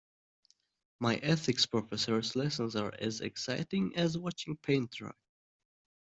My ethics professor's lessons are as exciting as watching paint dry.